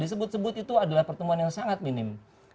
disebut sebut itu adalah pertemuan yang sangat minim